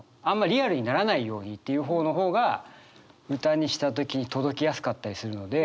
リアルにならないようにっていう方の方が歌にした時に届きやすかったりするので。